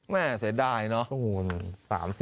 เสียดายเนาะ